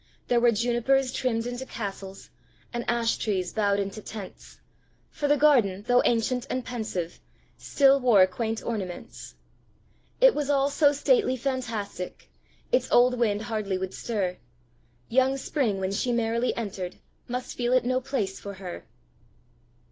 There were junipers trimmed into castles, And ash trees bowed into tents; For the garden, though ancient and pensive, Still wore quaint ornaments. It was all so stately fantastic, Its old wind hardly would stir: Young Spring, when she merrily entered, Must feel it no place for her!